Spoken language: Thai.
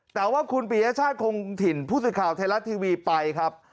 แต่ว่าคุณปริศจาธิ์คงถิ่นภูมิข่าวไทยรัสทีวีไปครับ